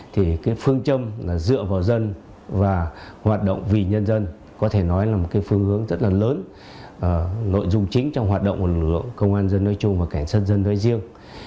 thì cái phương châm là dựa vào dân và hoạt động vì nhân dân có thể nói là một cái phương hướng rất là lớn nội dung chính trong hoạt động của lực lượng công an nhân chung và cảnh sát dân nói riêng